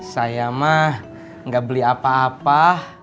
saya mah gak beli apa apa